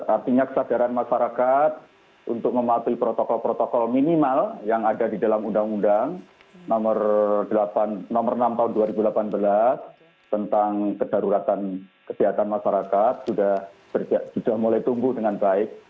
artinya kesadaran masyarakat untuk mematuhi protokol protokol minimal yang ada di dalam undang undang nomor enam tahun dua ribu delapan belas tentang kedaruratan kesehatan masyarakat sudah mulai tumbuh dengan baik